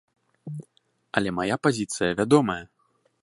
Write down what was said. Але мая пазіцыя вядомая.